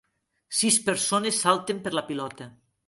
Sis persones salten per la pilota.